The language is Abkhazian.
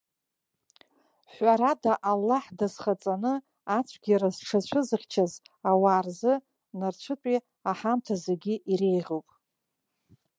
Ҳәарада, Аллаҳ дазхаҵаны, ацәгьара зҽацәызыхьчаз ауаа рзы нарцәытәи аҳамҭа зегьы иреиӷуп.